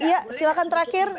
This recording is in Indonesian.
iya silakan terakhir